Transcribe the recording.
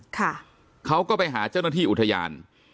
เขาก็ไปหาเจ้าหน้าที่อุทยาน